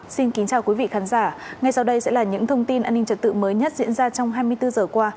xin kính chào quý vị khán giả ngay sau đây sẽ là những thông tin an ninh trật tự mới nhất diễn ra trong hai mươi bốn giờ qua